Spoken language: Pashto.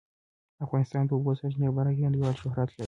افغانستان د د اوبو سرچینې په برخه کې نړیوال شهرت لري.